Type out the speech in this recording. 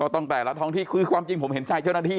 ต้องแต่ละท้องคือความจริงผมเห็นใช่เจ้าหน้าที่